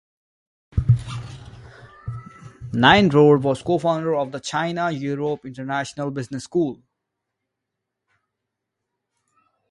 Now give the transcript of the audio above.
Nyenrode was cofounder of the China Europe International Business School.